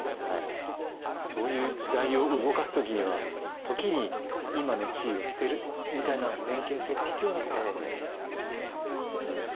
そういう時代を動かすときには時に今の地位を捨てるみたいな先見性が必要だったっていうことなんですね。